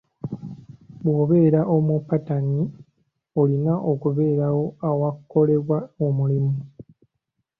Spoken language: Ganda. Bw'obera omupatanyi, olina okubeerawo awakolebwa omulimu.